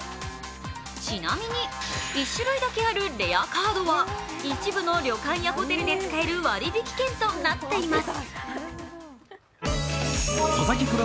ちなみに、１種類だけあるレアカードは一部の旅館やホテルで使える割引券となっています。